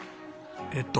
えっと